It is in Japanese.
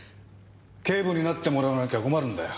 警部になってもらわなきゃ困るんだよ。